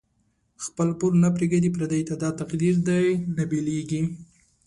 خپل پور نه پریږدی پردی ته، دا تقدیر دۍ نه بیلیږی